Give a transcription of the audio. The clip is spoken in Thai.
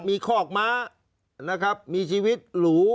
มีคอกม้านะครับมีชีวิตหรู